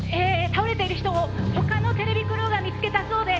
倒れている人を他のテレビクルーが見つけたそうで。